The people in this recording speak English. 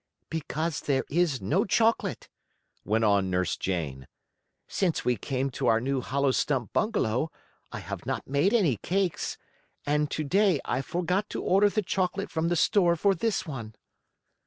"Because there is no chocolate," went on Nurse Jane. "Since we came to our new hollow stump bungalow I have not made any cakes, and to day I forgot to order the chocolate from the store for this one."